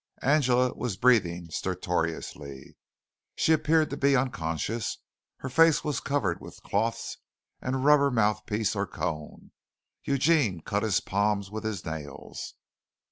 Angela was breathing stertorously. She appeared to be unconscious. Her face was covered with cloths and a rubber mouth piece or cone. Eugene cut his palms with his nails.